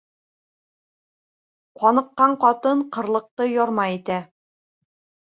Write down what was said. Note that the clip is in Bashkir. Каныҡҡан ҡатын ҡырлыҡты ярма итә.